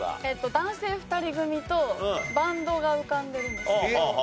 男性２人組とバンドが浮かんでるんですけど。